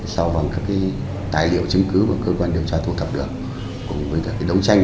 sau vòng các cái tài liệu chứng cứ mà cơ quan điều tra thu thập được cùng với cả cái đấu tranh